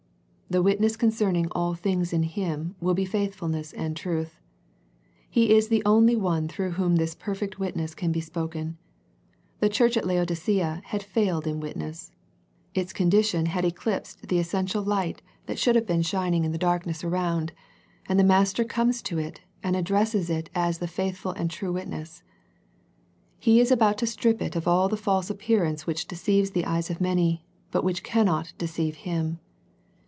The witness concerning all things in Him will be faithfulness and truth. He is the only One through Whom this perfect witness can be spoken. The church at Laodicea had failed in witness. Its condition had eclipsed the es sential light that should have been shining in 192 A First Century Message the darkness around, and the Master comes to it and addresses it as the faithful and true Wit ness. He is about to strip it of all the false appearance which deceives the eyes of many, but which cannot deceive Him.